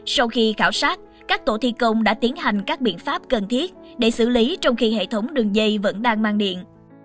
sau khi khảo sát các tổ thi công đã tiến hành các biện pháp cần thiết để xử lý trong khi hệ thống đường dây vẫn đang mang điện